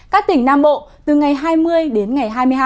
các tỉnh nam bộ từ ngày hai mươi đến ngày hai mươi hai